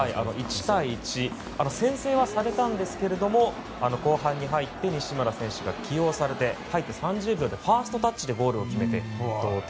１対１先制はされたんですけども後半に入って西村選手が起用されて入って３０秒ファーストタッチでゴールを決めて同点。